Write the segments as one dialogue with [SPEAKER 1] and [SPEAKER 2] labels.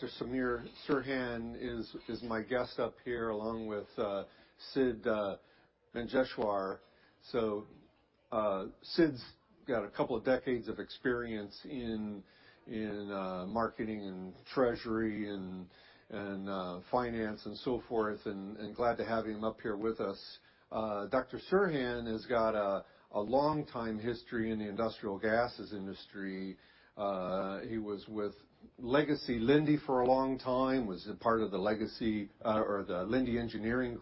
[SPEAKER 1] Dr. Samir Serhan is my guest up here, along with Sidd Manjeshwar. Sidd's got a couple of decades of experience in marketing and treasury and finance and so forth, and glad to have him up here with us. Dr. Serhan has got a long time history in the industrial gases industry. He was with legacy Linde for a long time, was a part of the legacy or the Linde Engineering.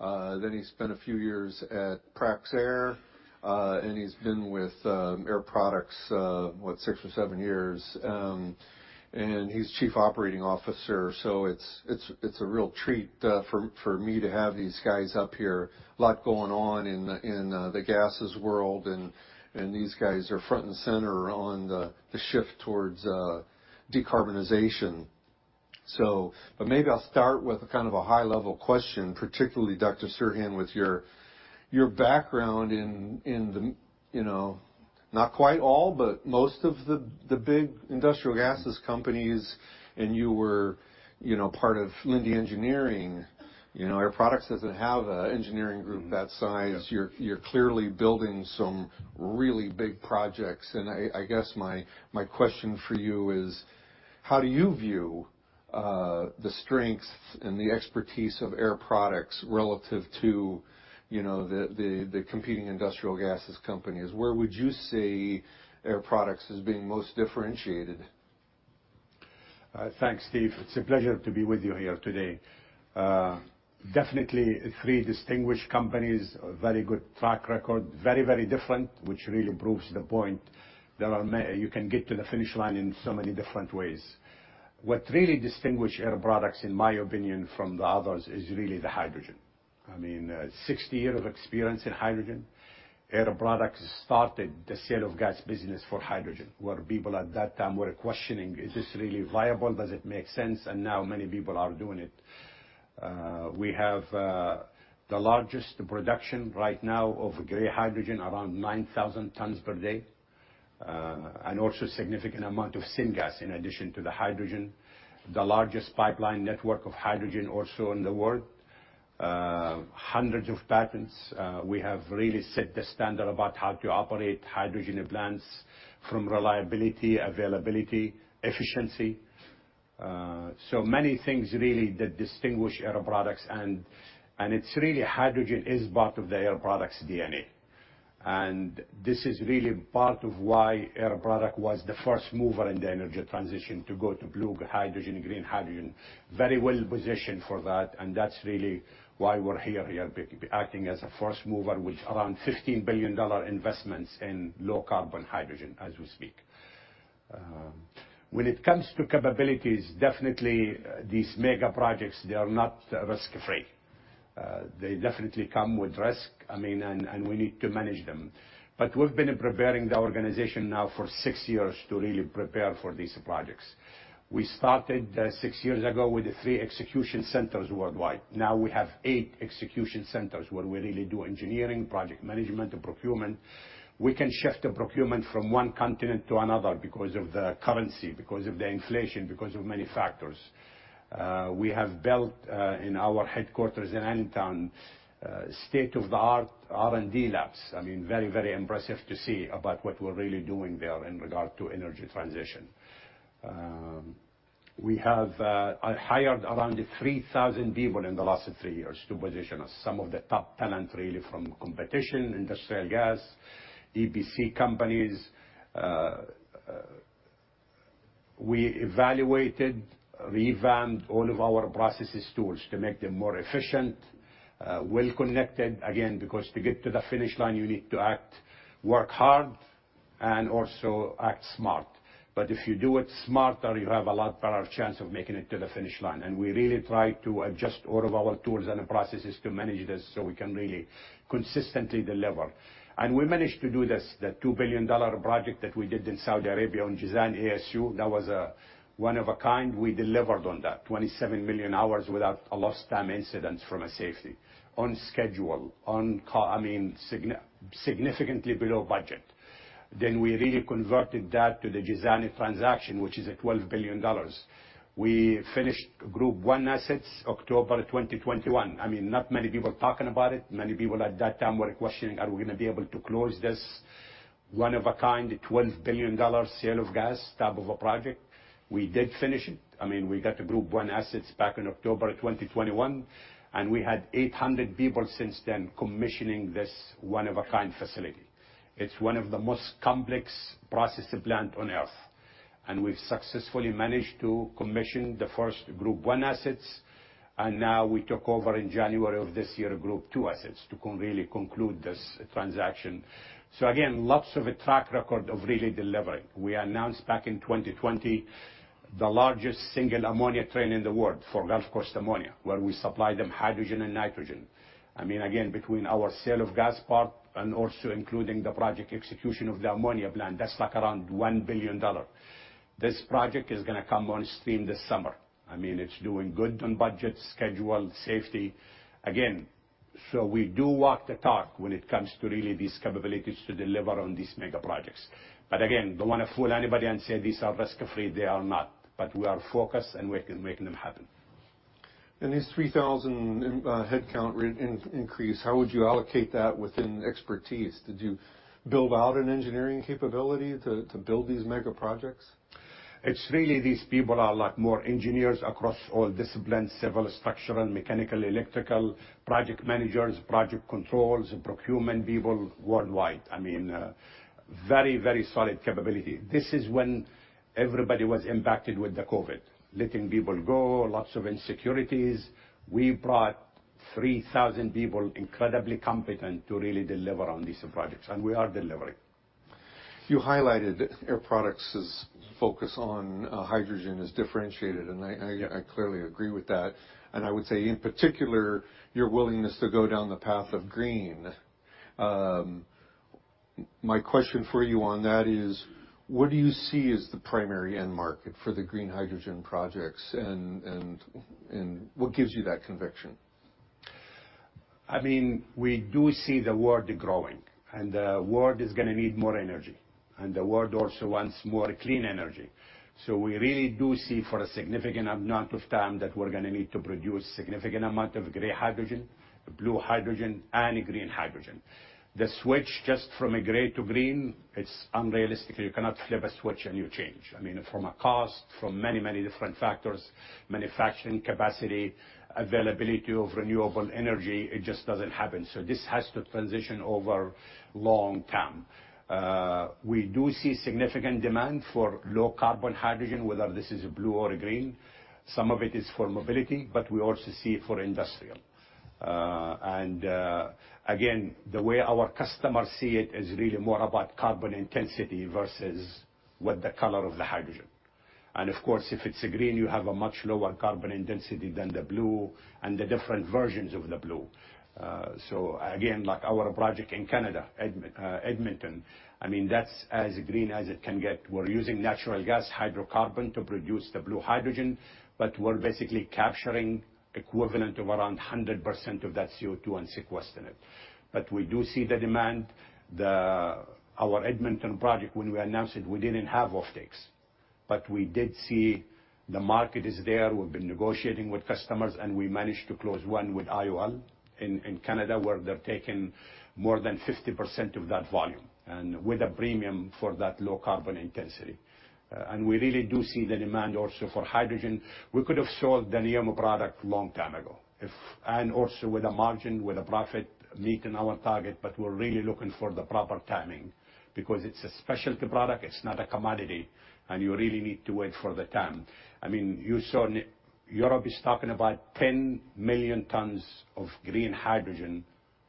[SPEAKER 1] Then he spent a few years at Praxair, and he's been with Air Products, what, six or seven years. And he's Chief Operating Officer, so it's a real treat for me to have these guys up here. A lot going on in the gases world, and these guys are front and center on the shift towards decarbonization. Maybe I'll start with kind of a high-level question, particularly Dr. Serhan, with your background in the, you know, not quite all, but most of the big industrial gases companies, and you were, you know, part of Linde Engineering. You know, Air Products doesn't have an engineering group that size. You're clearly building some really big projects, I guess my question for you is: how do you view the strengths and the expertise of Air Products relative to, you know, the competing industrial gases companies? Where would you say Air Products is being most differentiated?
[SPEAKER 2] Thanks, Steve. It's a pleasure to be with you here today. Definitely three distinguished companies, a very good track record. Very, very different, which really proves the point there are you can get to the finish line in so many different ways. What really distinguish Air Products, in my opinion, from the others, is really the hydrogen. I mean, 60 year of experience in hydrogen. Air Products started the sale of gas business for hydrogen, where people at that time were questioning, "Is this really viable? Does it make sense?" Now many people are doing it. We have the largest production right now of gray hydrogen, around 9,000 tons per day, and also significant amount of syngas in addition to the hydrogen. The largest pipeline network of hydrogen also in the world. Hundreds of patents. We have really set the standard about how to operate hydrogen plants from reliability, availability, efficiency. So many things really that distinguish Air Products and it's really hydrogen is part of the Air Products DNA. This is really part of why Air Product was the first mover in the energy transition to go to blue hydrogen, green hydrogen. Very well positioned for that, and that's really why we're here acting as a first mover with around $15 billion investments in low carbon hydrogen as we speak. When it comes to capabilities, definitely these mega projects, they are not risk free. They definitely come with risk, I mean, and we need to manage them. We've been preparing the organization now for six years to really prepare for these projects. We started six years ago with the three execution centers worldwide. Now we have eigh execution centers where we really do engineering, project management, and procurement. We can shift the procurement from one continent to another because of the currency, because of the inflation, because of many factors. We have built in our headquarters in Allentown, state-of-the-art R&D labs. I mean, very, very impressive to see about what we're really doing there in regard to energy transition. We have hired around 3,000 people in the last three years to position us. Some of the top talent really from competition, industrial gas, EPC companies. We evaluated, revamped all of our processes tools to make them more efficient, well-connected. Again, because to get to the finish line, you need to act, work hard and also act smart. If you do it smarter, you have a lot better chance of making it to the finish line. We really try to adjust all of our tools and the processes to manage this so we can really consistently deliver. We managed to do this. The $2 billion project that we did in Saudi Arabia on Jazan ASU, that was a one of a kind. We delivered on that. 27 million hours without a lost time incident from a safety. On schedule, I mean, significantly below budget. We really converted that to the Jazan transaction, which is at $12 billion. We finished group one assets October 2021. I mean, not many people talking about it. Many people at that time were questioning, "Are we gonna be able to close this one-of-a-kind, $12 billion sale of gas type of a project?" We did finish it. I mean, we got the group one assets back in October 2021, and we had 800 people since then commissioning this one-of-a-kind facility. It's one of the most complex process plant on Earth, and we've successfully managed to commission the first group one assets, and now we took over in January of this year, group two assets, to really conclude this transaction. Again, lots of a track record of really delivering. We announced back in 2020 the largest single ammonia train in the world for Gulf Coast Ammonia, where we supply them hydrogen and nitrogen. I mean, again, between our sale of gas part and also including the project execution of the ammonia plant, that's like around $1 billion. This project is gonna come on stream this summer. I mean, it's doing good on budget, schedule, safety. Again, we do walk the talk when it comes to really these capabilities to deliver on these mega projects. Again, don't wanna fool anybody and say these are risk-free. They are not. We are focused, and we're making them happen.
[SPEAKER 1] These 3,000 in headcount increase, how would you allocate that within expertise? Did you build out an engineering capability to build these mega projects?
[SPEAKER 2] It's really these people are like more engineers across all disciplines, civil, structural, mechanical, electrical, project managers, project controls, and procurement people worldwide. I mean, very, very solid capability. This is when everybody was impacted with the COVID, letting people go, lots of insecurities. We brought 3,000 people, incredibly competent, to really deliver on these projects, and we are delivering.
[SPEAKER 1] You highlighted Air Products' focus on hydrogen as differentiated, and I clearly agree with that, and I would say, in particular, your willingness to go down the path of green. My question for you on that is: what do you see as the primary end market for the green hydrogen projects? What gives you that conviction?
[SPEAKER 2] I mean, we do see the world growing, and the world is gonna need more energy, and the world also wants more clean energy. We really do see for a significant amount of time that we're gonna need to produce significant amount of gray hydrogen, blue hydrogen, and green hydrogen. The switch just from a gray to green, it's unrealistically. You cannot flip a switch, and you change. I mean, from a cost, from many, many different factors, manufacturing capacity, availability of renewable energy, it just doesn't happen. This has to transition over long term. We do see significant demand for low carbon hydrogen, whether this is blue or green. Some of it is for mobility, but we also see it for industrial. Again, the way our customers see it is really more about carbon intensity versus what the color of the hydrogen. Of course, if it's a green, you have a much lower carbon intensity than the blue and the different versions of the blue. Again, like our project in Canada, Edmonton, I mean, that's as green as it can get. We're using natural gas hydrocarbon to produce the blue hydrogen, but we're basically capturing equivalent of around 100% of that CO2 and sequestering it. We do see the demand. Our Edmonton project, when we announced it, we didn't have offtakes, but we did see the market is there. We've been negotiating with customers, and we managed to close one with IOL in Canada, where they're taking more than 50% of that volume and with a premium for that low carbon intensity. We really do see the demand also for hydrogen. We could have sold the NEOM product long time ago. Also with a margin, with a profit meeting our target, we're really looking for the proper timing because it's a specialty product, it's not a commodity, and you really need to wait for the time. I mean, you saw Europe is talking about 10 million tons of green hydrogen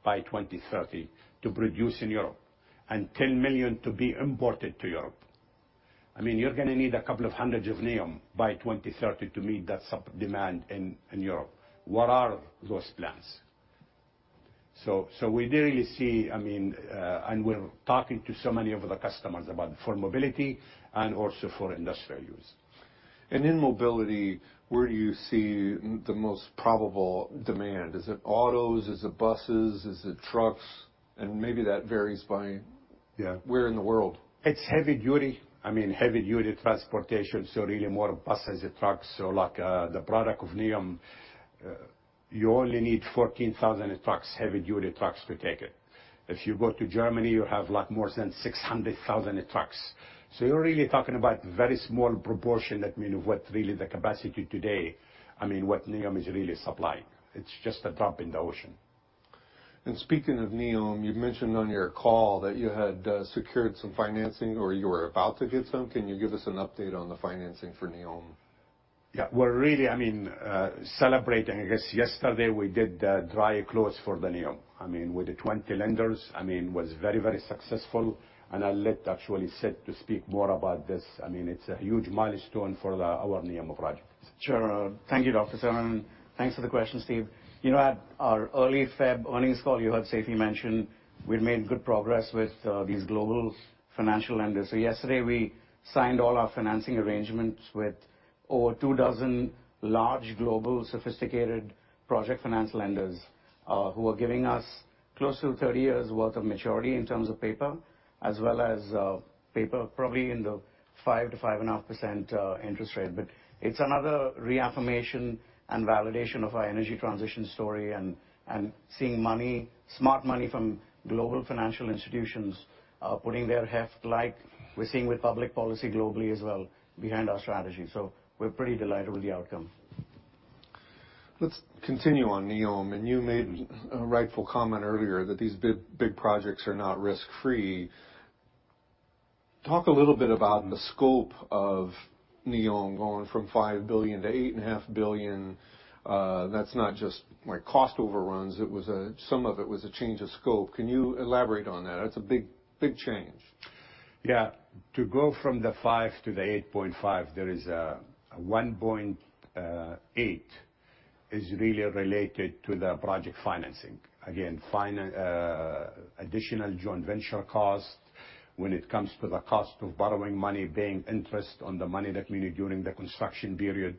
[SPEAKER 2] by 2030 to produce in Europe and 10 million to be imported to Europe. I mean, you're gonna need a couple of hundred of NEOM by 2030 to meet that demand in Europe. Where are those plants? We really see, I mean, we're talking to so many of the customers about for mobility and also for industrial use.
[SPEAKER 1] In mobility, where do you see the most probable demand? Is it autos? Is it buses? Is it trucks? Maybe that varies by where in the world?
[SPEAKER 2] It's heavy duty. I mean, heavy duty transportation, so really more buses and trucks. Like, the product of NEOM, you only need 14,000 trucks, heavy duty trucks to take it. If you go to Germany, you have like more than 600,000 trucks. You're really talking about very small proportion that, I mean, what really the capacity today, I mean, what NEOM is really supplying. It's just a drop in the ocean.
[SPEAKER 1] Speaking of NEOM, you mentioned on your call that you had secured some financing or you were about to get some. Can you give us an update on the financing for NEOM?
[SPEAKER 2] Yeah. We're really, I mean, celebrating, I guess. Yesterday, we did the dry close for the NEOM. I mean, with the 20 lenders. I mean, it was very, very successful. I'll let actually Sidd to speak more about this. I mean, it's a huge milestone for our NEOM project.
[SPEAKER 3] Sure. Thank you, Dr. Serhan. Thanks for the question, Steve. You know, at our early February earnings call, you heard Seifi mention we've made good progress with these global financial lenders. Yesterday, we signed all our financing arrangements with over two dozen large global sophisticated project finance lenders, who are giving us close to 30 years worth of maturity in terms of paper, as well as paper probably in the 5%-5.5% interest rate. It's another reaffirmation and validation of our energy transition story and seeing money, smart money from global financial institutions, putting their heft, like we're seeing with public policy globally as well, behind our strategy. We're pretty delighted with the outcome.
[SPEAKER 1] Let's continue on NEOM, and you made a rightful comment earlier that these big projects are not risk-free. Talk a little bit about the scope of NEOM going from $5 billion to $8.5 billion. That's not just like cost overruns. Some of it was a change of scope. Can you elaborate on that? That's a big change.
[SPEAKER 2] Yeah. To go from the $5 billion to the $8.5 billion, there is $1.8 billion is really related to the project financing. additional joint venture cost when it comes to the cost of borrowing money, paying interest on the money that we need during the construction period.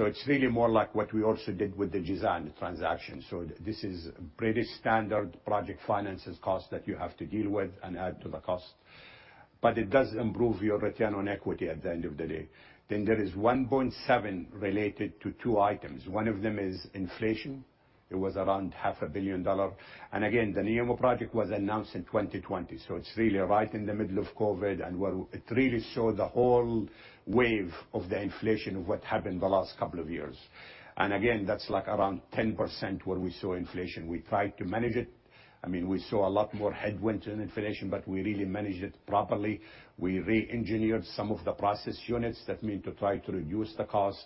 [SPEAKER 2] It's really more like what we also did with the Jazan transaction. This is pretty standard project finance cost that you have to deal with and add to the cost. It does improve your return on equity at the end of the day. There is $1.7 billion related to two items. One of them is inflation. It was around $500 million. The NEOM project was announced in 2020, so it's really right in the middle of COVID and where it really showed the whole wave of the inflation of what happened the last couple of years. That's like around 10% where we saw inflation. We tried to manage it. I mean, we saw a lot more headwinds in inflation, but we really managed it properly. We re-engineered some of the process units that mean to try to reduce the cost.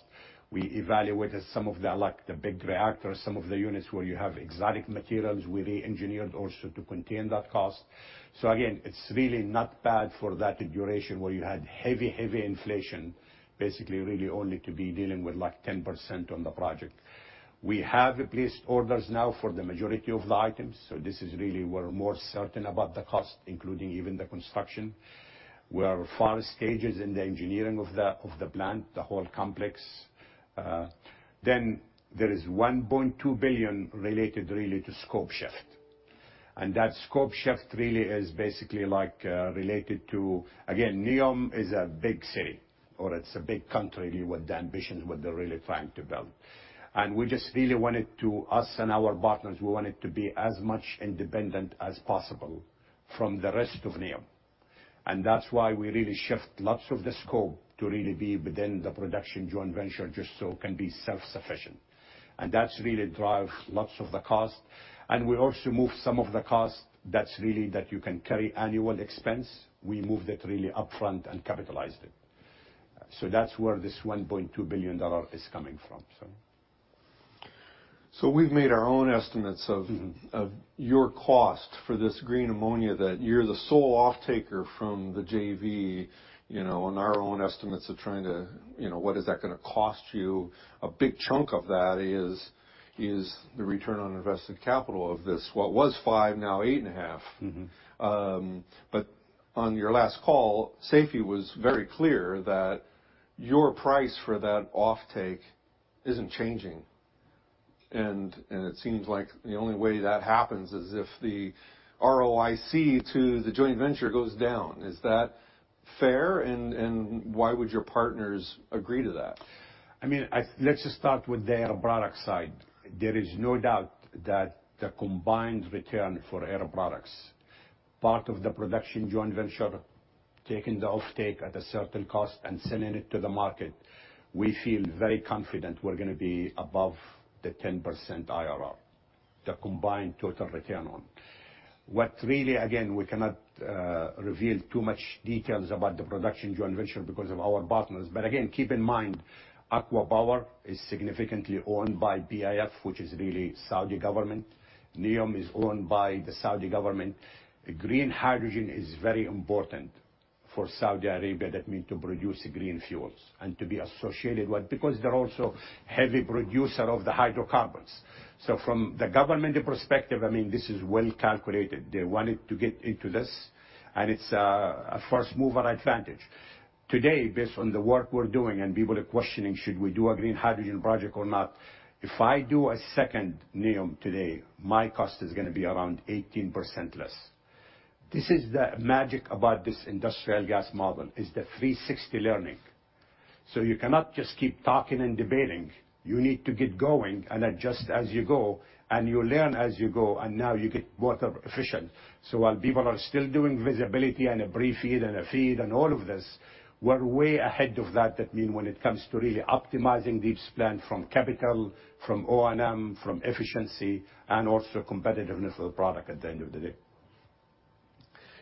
[SPEAKER 2] We evaluated some of the, like, the big reactors, some of the units where you have exotic materials, we re-engineered also to contain that cost. It's really not bad for that duration where you had heavy inflation, basically really only to be dealing with like 10% on the project. We have placed orders now for the majority of the items, so this is really we're more certain about the cost, including even the construction. We are far stages in the engineering of the, of the plant, the whole complex. There is $1.2 billion related really to scope shift. That scope shift really is basically like, related to. Again, NEOM is a big city, or it's a big country with the ambitions what they're really trying to build. We just really wanted to, us and our partners, we wanted to be as much independent as possible from the rest of NEOM. That's why we really shift lots of the scope to really be within the production joint venture just so it can be self-sufficient. That's really drive lots of the cost. We also move some of the cost that's really that you can carry annual expense, we moved it really upfront and capitalized it. That's where this $1.2 billion is coming from.
[SPEAKER 1] We've made our own estimates of your cost for this green ammonia, that you're the sole offtaker from the JV, you know, and our own estimates of trying to, you know, what is that gonna cost you. A big chunk of that is the return on invested capital of this. What was $5 billion, now $8.5 billion. On your last call, Seifi was very clear that your price for that offtake isn't changing. It seems like the only way that happens is if the ROIC to the joint venture goes down. Is that fair? Why would your partners agree to that?
[SPEAKER 2] I mean, let's just start with the Air Products side. There is no doubt that the combined return for Air Products, part of the production joint venture, taking the offtake at a certain cost and selling it to the market, we feel very confident we're gonna be above the 10% IRR, the combined total return on. What really, again, we cannot reveal too much details about the production joint venture because of our partners. Again, keep in mind, ACWA Power is significantly owned by PIF, which is really Saudi government. NEOM is owned by the Saudi government. Green hydrogen is very important for Saudi Arabia, that mean to produce green fuels and to be associated with, because they're also heavy producer of the hydrocarbons. From the government perspective, I mean, this is well calculated. They wanted to get into this, and it's a first-mover advantage. Today, based on the work we're doing, and people are questioning, should we do a green hydrogen project or not? If I do a second NEOM today, my cost is gonna be around 18% less. This is the magic about this industrial gas model, is the 360 learning. You cannot just keep talking and debating. You need to get going and adjust as you go, and you learn as you go, and now you get whatever efficient. While people are still doing visibility and a pre-FEED and a FEED and all of this, we're way ahead of that mean when it comes to really optimizing this plan from capital, from O&M, from efficiency and also competitiveness of the product at the end of the day.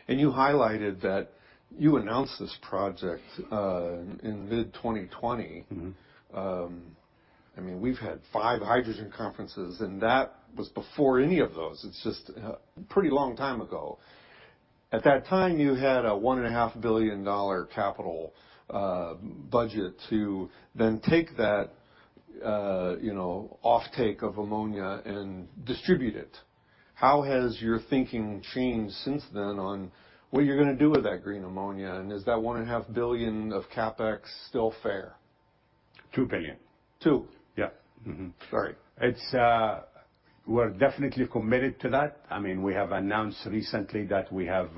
[SPEAKER 1] You highlighted that you announced this project in mid-2020. I mean, we've had five hydrogen conferences. That was before any of those. It's just a pretty long time ago. At that time, you had a $1.5 billion capital budget to then take that, you know, offtake of ammonia and distribute it. How has your thinking changed since then on what you're gonna do with that green ammonia? Is that $1.5 billion Of CapEx still fair?
[SPEAKER 2] $2 billion.
[SPEAKER 1] $2 billion?
[SPEAKER 2] Yeah. Mm-hmm.
[SPEAKER 1] Sorry.
[SPEAKER 2] It's. We're definitely committed to that. I mean, we have announced recently that we have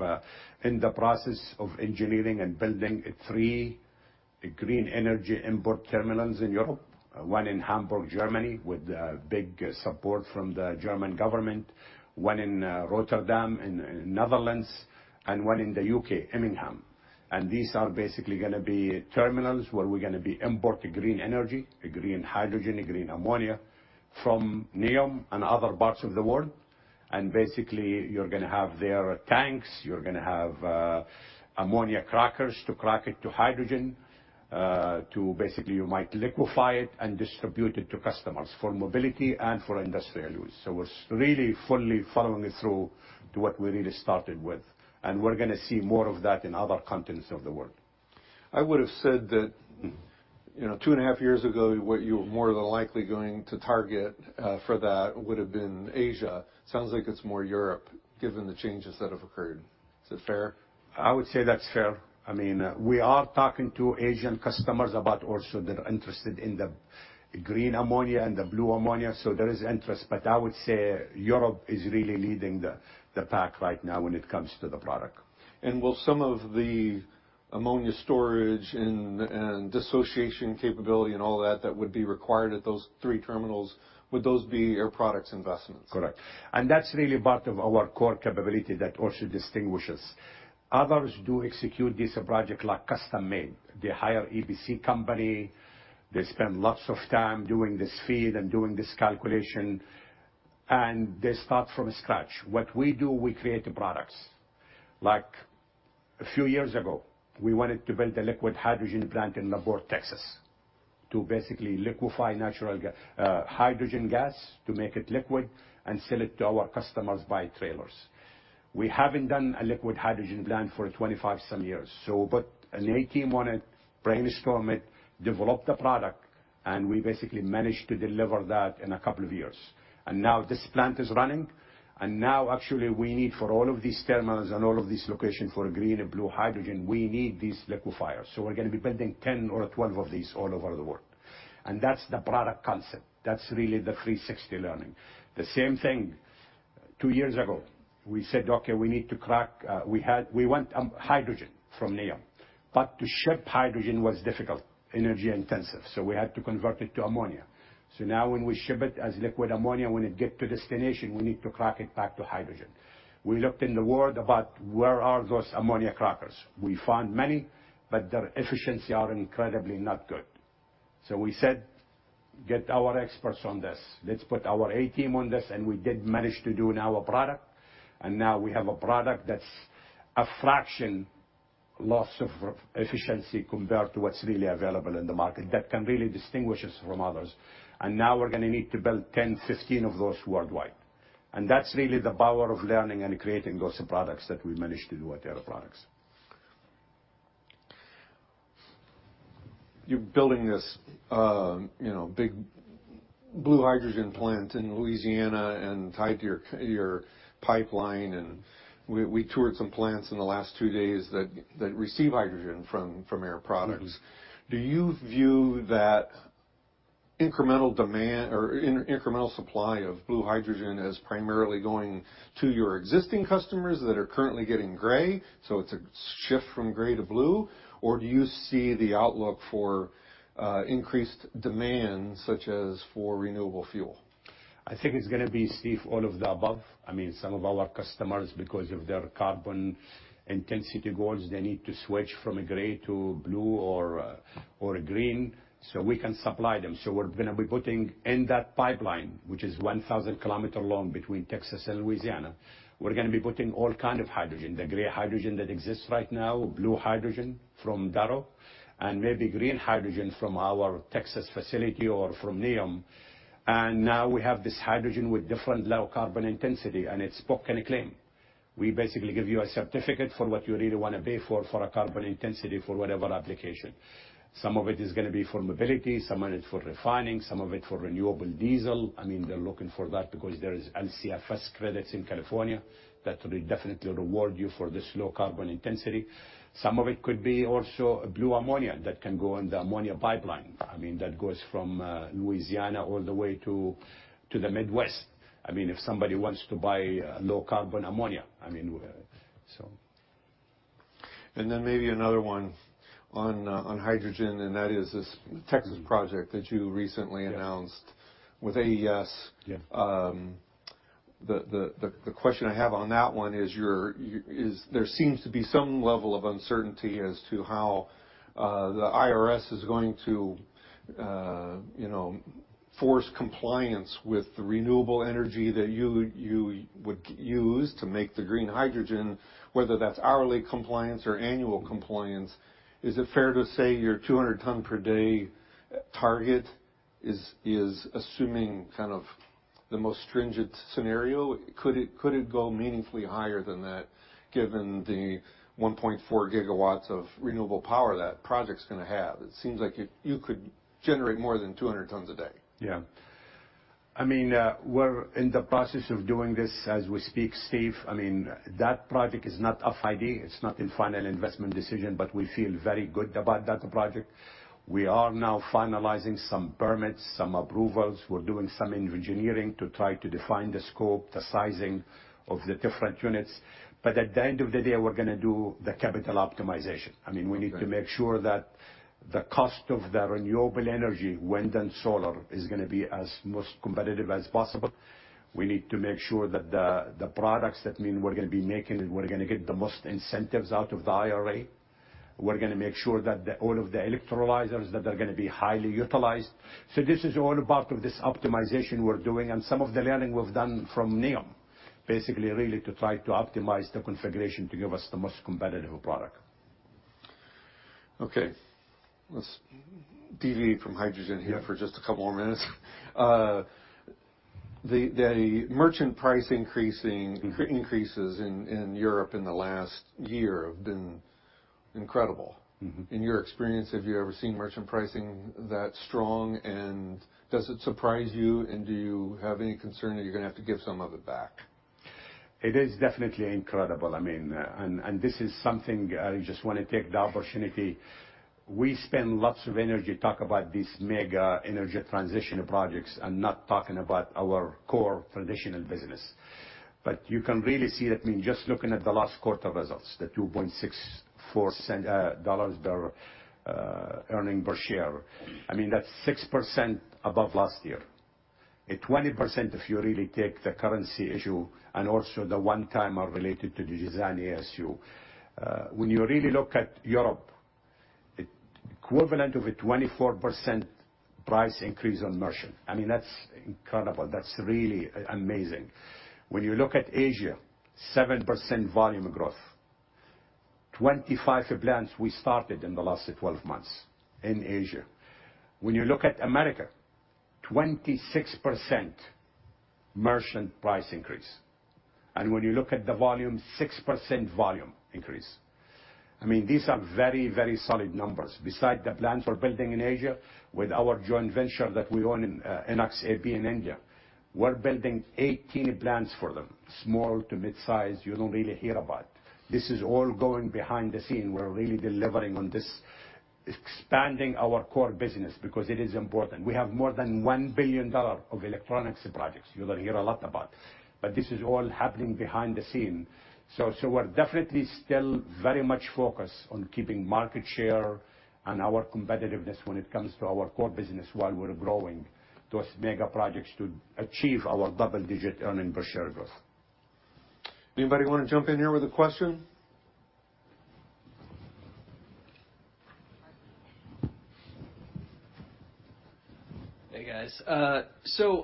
[SPEAKER 2] in the process of engineering and building three green energy import terminals in Europe, one in Hamburg, Germany, with big support from the German government, one in Rotterdam in Netherlands, and one in the U.K., Immingham. These are basically gonna be terminals where we're gonna be import green energy, green hydrogen, green ammonia from NEOM and other parts of the world. Basically, you're gonna have their tanks, you're gonna have ammonia crackers to crack it to hydrogen, to basically you might liquefy it and distribute it to customers for mobility and for industrial use. It's really fully following through to what we really started with, and we're gonna see more of that in other continents of the world.
[SPEAKER 1] I would've said that, you know, 2.5 years ago, what you were more than likely going to target for that would've been Asia. Sounds like it's more Europe, given the changes that have occurred. Is that fair?
[SPEAKER 2] I would say that's fair. I mean, we are talking to Asian customers about also they're interested in the green ammonia and the blue ammonia. There is interest. I would say Europe is really leading the pack right now when it comes to the product.
[SPEAKER 1] Will some of the ammonia storage and dissociation capability and all that would be required at those three terminals, would those be Air Products investments?
[SPEAKER 2] Correct. That's really part of our core capability that also distinguishes. Others do execute this project like custom-made. They hire EPC company. They spend lots of time doing this FEED and doing this calculation, and they start from scratch. What we do, we create the products. Like a few years ago, we wanted to build a liquid hydrogen plant in Navarro, Texas, to basically liquefy hydrogen gas to make it liquid and sell it to our customers by trailers. We haven't done a liquid hydrogen plant for 25 some years. An A team on it, brainstorm it, develop the product, and we basically managed to deliver that in a couple of years. Now this plant is running. Now actually we need for all of these terminals and all of these locations for green and blue hydrogen, we need these liquefiers. We're gonna be building 10 or 12 of these all over the world. That's the product concept. That's really the 360 learning. The same thing two years ago. We said, "Okay, we want hydrogen from NEOM." To ship hydrogen was difficult, energy intensive, so we had to convert it to ammonia. Now when we ship it as liquid ammonia, when it get to destination, we need to crack it back to hydrogen. We looked in the world about where are those ammonia crackers. We found many. Their efficiency are incredibly not good. We said, "Get our experts on this. Let's put our A team on this. We did manage to do now a product, now we have a product that's a fraction loss of efficiency compared to what's really available in the market that can really distinguish us from others. Now we're gonna need to build 10, 15 of those worldwide. That's really the power of learning and creating those products that we managed to do at Air Products.
[SPEAKER 1] You're building this, you know, big blue hydrogen plant in Louisiana and tied to your pipeline, and we toured some plants in the last two days that receive hydrogen from Air Products. Do you view that incremental demand or incremental supply of blue hydrogen as primarily going to your existing customers that are currently getting gray, so it's a shift from gray to blue, or do you see the outlook for increased demand, such as for renewable fuel?
[SPEAKER 2] I think it's gonna be, Steve, all of the above. I mean, some of our customers, because of their carbon intensity goals, they need to switch from a gray to blue or green, so we can supply them. We're gonna be putting in that pipeline, which is 1,000 km long between Texas and Louisiana, we're gonna be putting all kind of hydrogen, the gray hydrogen that exists right now, blue hydrogen from Darrow, and maybe green hydrogen from our Texas facility or from NEOM. Now we have this hydrogen with different low carbon intensity, and it's book and claim. We basically give you a certificate for what you really wanna pay for a carbon intensity for whatever application. Some of it is gonna be for mobility, some of it for refining, some of it for renewable diesel. I mean, they're looking for that because there is LCFS credits in California that will definitely reward you for this low carbon intensity. Some of it could be also blue ammonia that can go on the ammonia pipeline. I mean, that goes from Louisiana all the way to the Midwest. I mean, if somebody wants to buy low carbon ammonia, I mean, so.
[SPEAKER 1] Maybe another one on hydrogen, and that is this Texas project that you recently announced with AES. The question I have on that one is there seems to be some level of uncertainty as to how the IRS is going to, you know, force compliance with the renewable energy that you would use to make the green hydrogen, whether that's hourly compliance or annual compliance. Is it fair to say your 200 ton per day target is assuming kind of the most stringent scenario? Could it go meaningfully higher than that given the 1.4 GW of renewable power that project's gonna have? It seems like you could generate more than 200 tons a day.
[SPEAKER 2] Yeah. I mean, we're in the process of doing this as we speak, Steve. I mean, that project is not FID, it's not in final investment decision, but we feel very good about that project. We are now finalizing some permits, some approvals. We're doing some engineering to try to define the scope, the sizing of the different units. At the end of the day, we're gonna do the capital optimization. I mean, we need to make sure that the cost of the renewable energy, wind and solar, is gonna be as most competitive as possible. We need to make sure that the products that mean we're gonna be making, we're gonna get the most incentives out of the IRA. We're gonna make sure that all of the electrolyzers, that they're gonna be highly utilized. This is all part of this optimization we're doing and some of the learning we've done from NEOM, basically really to try to optimize the configuration to give us the most competitive product.
[SPEAKER 1] Okay. Let's deviate from hydrogen here for just a couple more minutes. The merchant price increases in Europe in the last year have been incredible. In your experience, have you ever seen merchant pricing that strong and does it surprise you and do you have any concern that you're gonna have to give some of it back?
[SPEAKER 2] It is definitely incredible. I mean, this is something I just wanna take the opportunity. We spend lots of energy talk about these mega energy transition projects and not talking about our core traditional business. You can really see that, I mean, just looking at the last quarter results, the $2.64 per earning per share. I mean, that's 6% above last year. At 20% if you really take the currency issue and also the one-time are related to the Jazan ASU. When you really look at Europe, equivalent of a 24% price increase on merchant. I mean, that's incredible. That's really amazing. When you look at Asia, 7% volume growth. 25 plants we started in the last 12 months in Asia. When you look at America, 26% merchant price increase. When you look at the volume, 6% volume increase. I mean, these are very, very solid numbers. Besides the plants we're building in Asia with our joint venture that we own in INOX AP in India, we're building 18 plants for them, small to midsize you don't really hear about. This is all going behind the scene. We're really delivering on this, expanding our core business because it is important. We have more than $1 billion of electronics projects you don't hear a lot about, but this is all happening behind the scene. So, we're definitely still very much focused on keeping market share and our competitiveness when it comes to our core business while we're growing those mega projects to achieve our double-digit earning per share growth.
[SPEAKER 1] Anybody wanna jump in here with a question?
[SPEAKER 4] Hey, guys.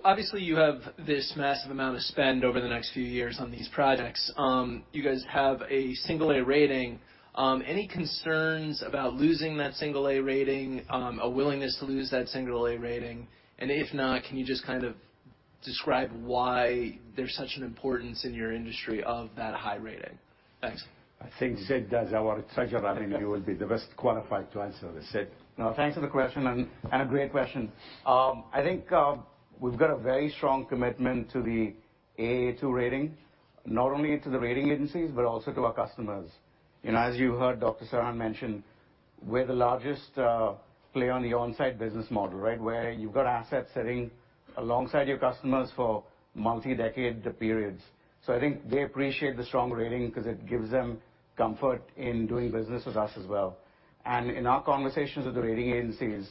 [SPEAKER 4] Obviously you have this massive amount of spend over the next few years on these projects. You guys have a single A rating. Any concerns about losing that single A rating, a willingness to lose that single A rating? If not, can you just kind of describe why there's such an importance in your industry of that high rating? Thanks.
[SPEAKER 2] I think Sidd, as our Treasurer, I mean, you will be the best qualified to answer this. Sidd.
[SPEAKER 3] Thanks for the question and a great question. I think we've got a very strong commitment to the Aa2 rating, not only to the rating agencies, but also to our customers. You know, as you heard Dr. Serhan mention, we're the largest player on the onsite business model, right? Where you've got assets sitting alongside your customers for multi-decade periods. I think they appreciate the strong rating because it gives them comfort in doing business with us as well. In our conversations with the rating agencies,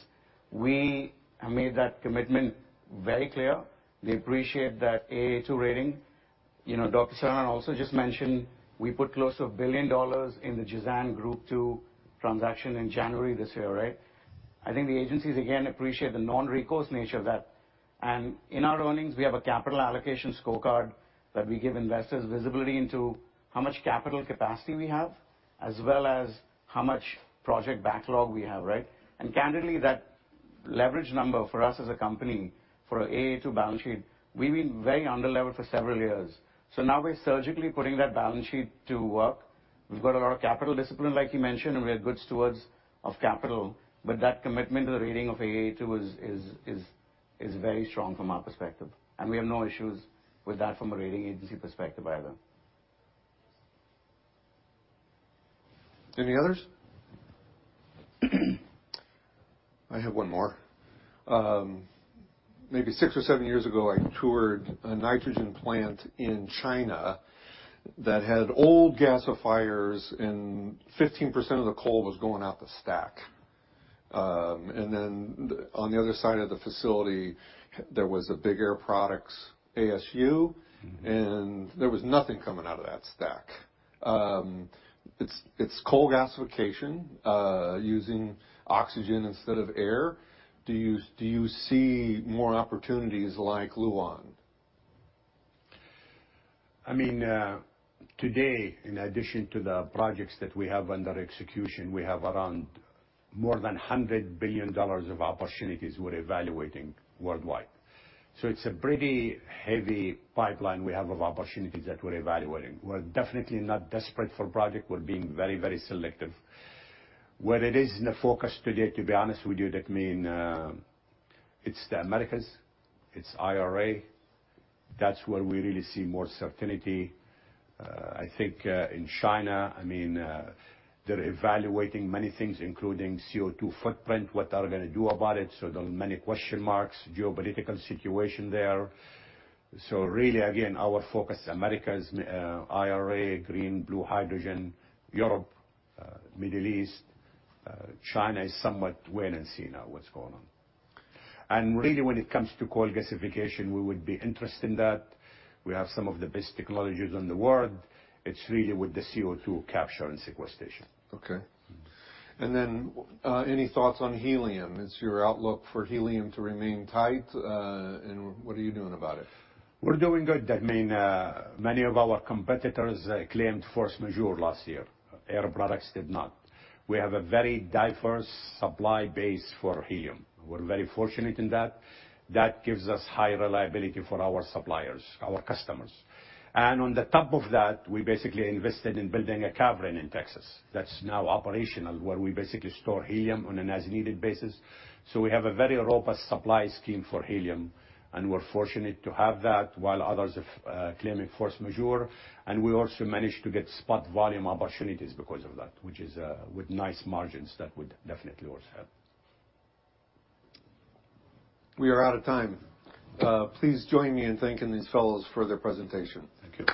[SPEAKER 3] we have made that commitment very clear. They appreciate that Aa2 rating. You know, Dr. Serhan also just mentioned we put close to $1 billion in the Jazan group two transaction in January this year, right? I think the agencies again appreciate the non-recourse nature of that. In our earnings, we have a capital allocation scorecard that we give investors visibility into how much capital capacity we have, as well as how much project backlog we have, right? Candidly, that leverage number for us as a company for Aa2 balance sheet, we've been very underlevered for several years. Now we're surgically putting that balance sheet to work. We've got a lot of capital discipline like you mentioned, and we are good stewards of capital. That commitment to the rating of Aa2 is very strong from our perspective. We have no issues with that from a rating agency perspective either.
[SPEAKER 1] Any others? I have one more. Maybe six or seven years ago, I toured a nitrogen plant in China that had old gasifiers and 15% of the coal was going out the stack. On the other side of the facility, there was a big Air Products ASU, and there was nothing coming out of that stack. It's coal gasification, using oxygen instead of air. Do you see more opportunities like Luan?
[SPEAKER 2] I mean, today, in addition to the projects that we have under execution, we have around more than $100 billion of opportunities we're evaluating worldwide. It's a pretty heavy pipeline we have of opportunities that we're evaluating. We're definitely not desperate for project. We're being very, very selective. Where it is in the focus today, to be honest with you, that mean, it's the Americas, it's IRA. That's where we really see more certainty. I think, in China, I mean, they're evaluating many things, including CO2 footprint, what are they gonna do about it. There are many question marks, geopolitical situation there. Really, again, our focus, Americas, IRA, green hydrogen, blue hydrogen, Europe, Middle East. China is somewhat wait and see now what's going on. Really, when it comes to coal gasification, we would be interested in that. We have some of the best technologies in the world. It's really with the CO2 capture and sequestration.
[SPEAKER 1] Okay. Any thoughts on helium? Is your outlook for helium to remain tight? What are you doing about it?
[SPEAKER 2] We're doing good. I mean, many of our competitors claimed force majeure last year. Air Products did not. We have a very diverse supply base for helium. We're very fortunate in that. That gives us high reliability for our suppliers, our customers. On the top of that, we basically invested in building a cavern in Texas that's now operational, where we basically store helium on an as-needed basis. We have a very robust supply scheme for helium, and we're fortunate to have that while others have claimed force majeure. We also managed to get spot volume opportunities because of that, which is with nice margins that would definitely also help.
[SPEAKER 1] We are out of time. Please join me in thanking these fellows for their presentation.
[SPEAKER 2] Thank you.